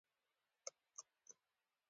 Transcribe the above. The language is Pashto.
لرګي ماتوونکي تبر ځمکې ته وغورځاوه.